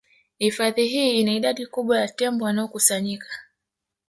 Hifadhi hii ina idadi kubwa ya tembo wanaokusanyika